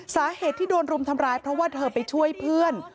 สาเหตุที่โดนรุมทำร้ายเพราะว่าเธอไปช่วยเพื่อน